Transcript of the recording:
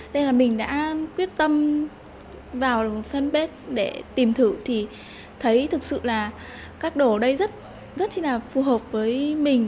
nên là mình đã quyết tâm vào fanpage để tìm thử thì thấy thực sự là các đồ ở đây rất là phù hợp với mình